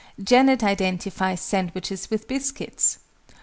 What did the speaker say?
JANET identifies sandwiches with biscuits!